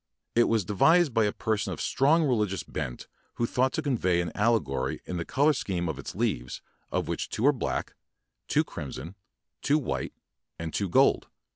It was de vised by a person of strong religious bent who thought to convey an alle gory in the color scheme of its leaves, of which two are black, two crimson, two white, and two gold.